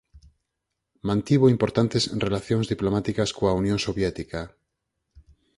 Mantivo importantes relacións diplomáticas coa Unión Soviética.